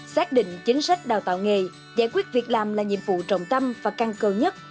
xác định chính sách đào tạo nghề giải quyết việc làm là nhiệm vụ trọng tâm và căng cơ nhất